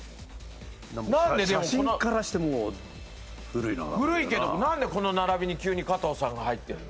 写真からしてもう古い古いけど何でこの並びに急に加藤さんが入ってんの？